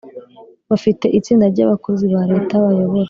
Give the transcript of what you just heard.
bafite itsinda ry abakozi ba leta bayobora